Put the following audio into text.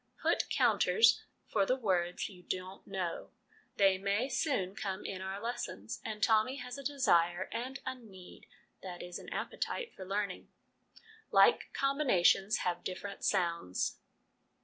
' Put counters for the words you don't know ; they may soon come in our lessons/ and Tommy has a desire and a need that is, an appetite for learning. Like Combinations have Different Sounds.